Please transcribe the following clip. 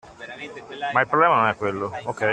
Ma il problema non è quello.